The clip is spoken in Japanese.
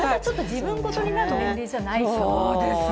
自分事になる年齢じゃないですもんね。